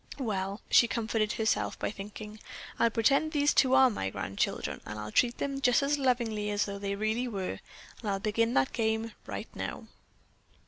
"Well," she comforted herself by thinking, "I'll pretend these two are my grandchildren, and I'll treat them just as lovingly as though they really were, and I'll begin that game right now."